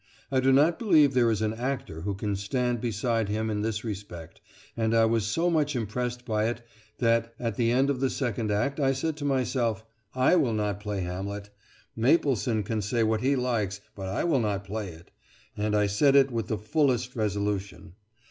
I do not believe there is an actor who can stand beside him in this respect, and I was so much impressed by it, that at the end of the second act I said to myself, "I will not play Hamlet! Mapleson can say what he likes, but I will not play it"; and I said it with the fullest resolution.